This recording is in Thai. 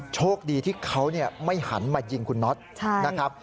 โชคดีที่เขาไม่หันมายิงคุณน็อตนะครับ